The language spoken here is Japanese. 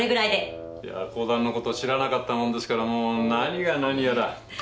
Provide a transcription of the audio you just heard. いや講談のことを知らなかったもんですからもう何が何やら。